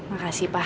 terima kasih pak